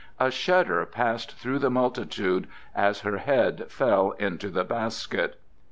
A shudder passed through the multitude as her head fell into the basket.